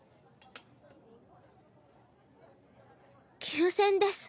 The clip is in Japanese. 休戦です